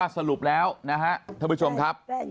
สรุปแล้วนะครับท่านผู้ชมครับ